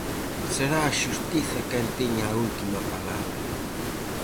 Será a Xustiza quen teña a última palabra.